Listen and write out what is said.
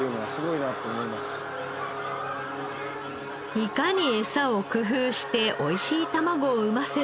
いかにエサを工夫しておいしい卵を産ませるか。